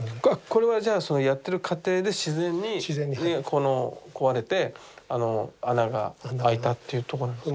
これはじゃあそのやってる過程で自然にこの壊れてあの穴が開いたっていうとこなんですか。